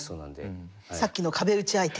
さっきの壁打ち相手。